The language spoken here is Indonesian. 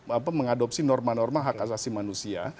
apa mengadopsi norma norma hak asasi manusia